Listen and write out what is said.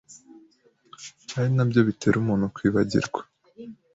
ari nabyo bitera umuntu kwibagirwa